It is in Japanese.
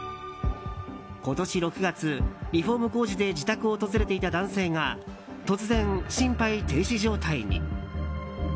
今年６月、リフォーム工事で自宅を訪れていた男性が突然、心肺停止状態に。